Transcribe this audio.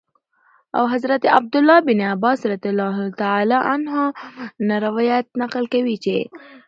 او حضرت عبدالله بن عباس رضي الله تعالى عنهم نه روايت نقل كوي چې :